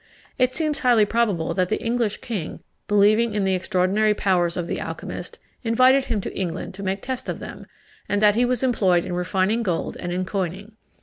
It seems highly probable that the English king, believing in the extraordinary powers of the alchymist, invited him to England to make test of them, and that he was employed in refining gold and in coining.